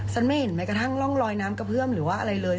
ไม่เห็นแม้กระทั่งร่องลอยน้ำกระเพื่อมหรือว่าอะไรเลย